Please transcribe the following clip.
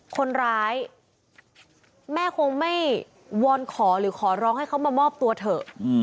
คนร้ายแม่คงไม่วอนขอหรือขอร้องให้เขามามอบตัวเถอะ